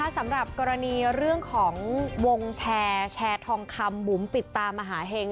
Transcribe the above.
สำหรับกรณีเรื่องของวงแชร์แชร์ทองคำบุ๋มปิดตามหาเห็ง